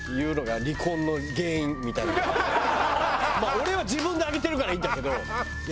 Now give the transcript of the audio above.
俺は自分で揚げてるからいいんだけど。